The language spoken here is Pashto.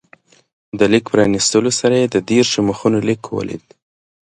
د لیک پرانستلو سره یې د دېرشو مخونو لیک ولید.